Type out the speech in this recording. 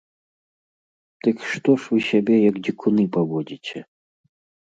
Дык што ж вы сябе, як дзікуны паводзіце?